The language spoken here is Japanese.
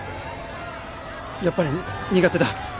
やっぱり苦手だ。